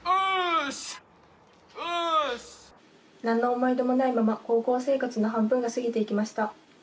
何の思い出もないまま高校生活の半分が過ぎていきました。